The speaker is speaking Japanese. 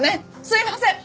すいません。